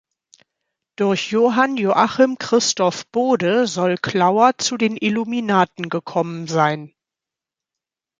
Durch Johann Joachim Christoph Bode soll Klauer zu den Illuminaten gekommen sein.